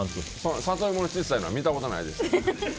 サトイモのちっさいのは見たことないです。